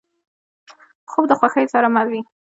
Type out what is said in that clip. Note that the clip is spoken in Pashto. خوب د خوښۍ سره مل وي